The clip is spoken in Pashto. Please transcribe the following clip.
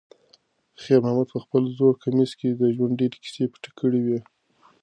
خیر محمد په خپل زوړ کمیس کې د ژوند ډېرې کیسې پټې کړې وې.